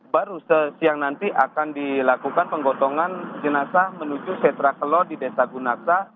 baru siang nanti akan dilakukan penggotongan jenazah menuju setra kelo di desa gunaksa